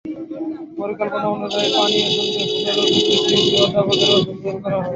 পরিকল্পনা অনুযায়ী পানীয়র সঙ্গে ঘুমের ওষধ মিশিয়ে দিয়ে অধ্যাপককে অচেতন করা হয়।